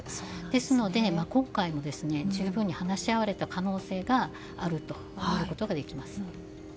ですので今回も十分に話し合われた可能性があると思われます。